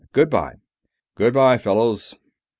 Goodbye!" "Goodbye, fellows!"